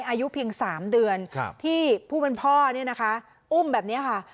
อายุเพียงสามเดือนที่ผู้เป็นพ่ออุ้มแบบนี้ค่ะ